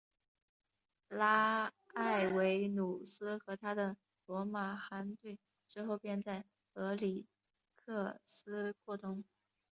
拉埃维努斯和他的罗马舰队之后便在俄里科斯过冬。